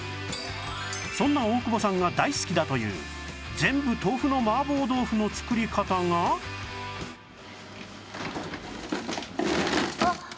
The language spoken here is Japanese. そんな大久保さんが大好きだという全部豆腐の麻婆豆腐の作り方があっ！